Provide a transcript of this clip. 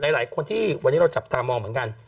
หลายคนที่วันนี้เราจับตามองเหมือนกัน